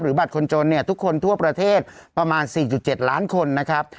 บัตรคนจนเนี่ยทุกคนทั่วประเทศประมาณ๔๗ล้านคนนะครับ